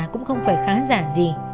cũng không phải khá giả gì